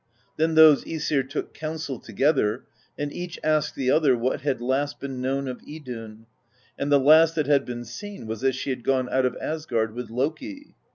Then those iEsir took counsel together, and each asked the other what had last been known of Idunn; and the last that had been seen was that she had gone out of Asgard with Loki.